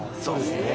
そうです。